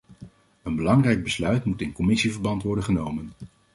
Een belangrijk besluit moet in commissieverband worden genomen.